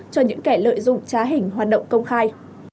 cho những kẻ lợi dụng trá hình hoạt động công khai